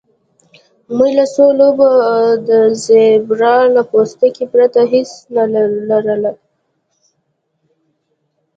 موږ له څو لوبو او د زیبرا له پوستکي پرته هیڅ نه لرل